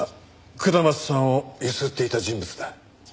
下松さんを強請っていた人物だ。